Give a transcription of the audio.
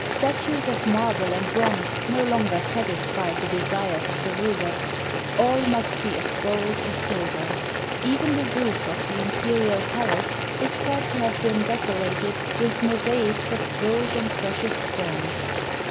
Statues of marble and bronze no longer satisfied the desires of the rulers; all must be of gold or silver. Even the roof of the imperial palace is said to have been decorated with mosaics of gold and precious stones.